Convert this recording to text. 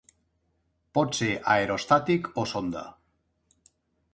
Pot ser aerostàtic o sonda.